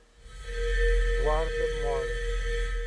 Guarda-Mor